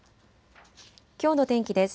きょうの天気です。